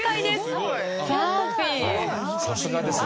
さすがですね。